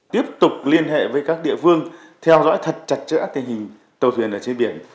tiếp tục liên hệ với các địa phương theo dõi thật chặt chẽ tình hình tàu thuyền ở trên biển